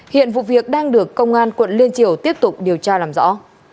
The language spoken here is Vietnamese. hiện vụ việc đang được công an quận liên triều tiếp tục điều tra làm rõ